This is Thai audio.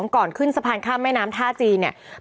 ก่อนขึ้นสะพานข้ามแม่น้ำท่าจีนเนี่ย